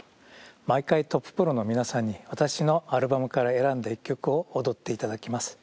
毎回トッププロのみなさんに私のアルバムから選んだ１曲を踊っていただきます。